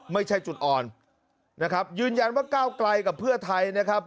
ไม่ใช่จุดอ่อนนะครับยืนยันว่าก้าวไกลกับเพื่อไทยนะครับ